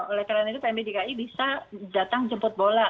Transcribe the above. oleh karena itu pmi dki bisa datang jemput bola